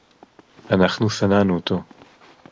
אֲנַחְנוּ שָׂנֵאנוּ אוֹתוֹ.